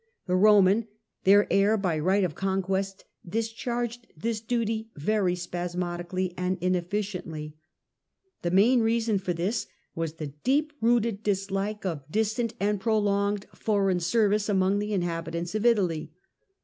The Roman, their heir by right of conquest, discharged this duty very spasmodically and inefficiently. The main reason for this was the deep rooted dislike of distant and prolonged foreign service among the inhabitants of Italy.